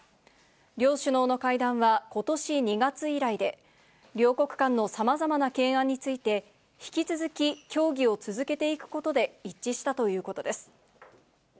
両首脳の会談はことし２月以来で、両国間のさまざまな懸案について、引き続き協議を続けていくことで一致したということです。